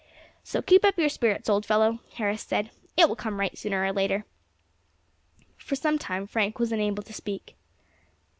"So keep up your spirits, old fellow," Harris said, "it will come right sooner or later." For some time Frank was unable to speak.